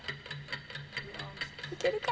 いけるか？